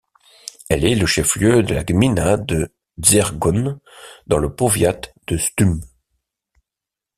Elle est le chef-lieu de la gmina de Dzierzgoń, dans le powiat de Sztum.